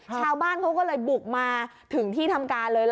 ชาวบ้านเขาก็เลยบุกมาถึงที่ทำการเลย